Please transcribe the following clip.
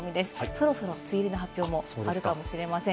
そろそろ梅雨入りの発表もあるかもしれません。